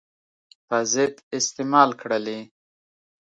په ضد استعمال کړلې.